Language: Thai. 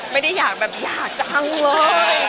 ไม่ได้อยากแบบหย่าจังเลย